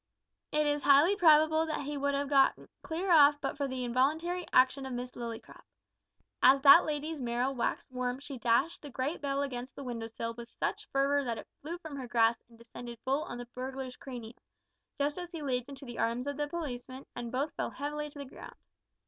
It is highly probable that he would have got clear off but for the involuntary action of Miss Lillycrop. As that lady's marrow waxed warm she dashed the great bell against the window sill with such fervour that it flew from her grasp and descended full on the burglar's cranium, just as he leaped into the arms of the policeman, and both fell heavily to the ground.